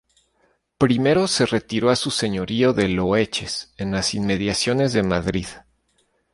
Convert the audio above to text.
Primero se retiró a su señorío de Loeches, en las inmediaciones de Madrid.